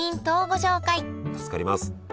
助かります。